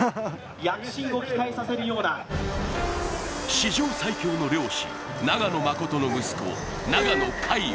史上最強の漁師、長野誠の息子、長野塊王。